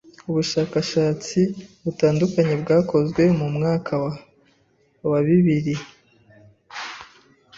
Ubushakashatsi butandukanye bwakozwe mu mwaka wa bibiri